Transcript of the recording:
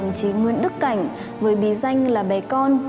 đồng chí nguyễn đức cảnh với bí danh là bé con